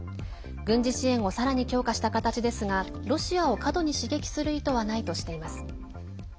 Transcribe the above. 軍事支援をさらに強化した形ですがロシアを過度に刺激する意図はないとしています。